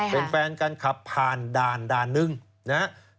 เป็นแฟนกันขับผ่านด่านด่านหนึ่งนะครับ